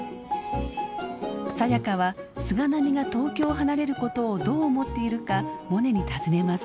サヤカは菅波が東京を離れることをどう思っているかモネに尋ねます。